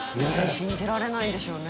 信じられないんでしょうね